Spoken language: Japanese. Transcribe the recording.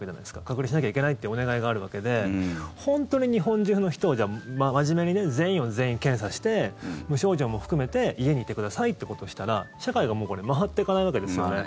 隔離しなきゃいけないってお願いがあるわけで本当に日本中の人を真面目に、全員を全員検査して無症状も含めて家にいてくださいってことをしたら社会が、もうこれ回っていかないわけですよね。